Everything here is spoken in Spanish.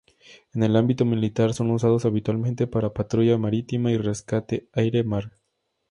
En el ámbito militar son usados habitualmente para patrulla marítima y rescate aire-mar.